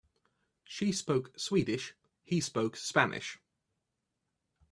She spoke Swedish, he spoke Spanish.